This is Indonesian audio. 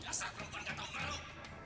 jasa perempuan datang kemarin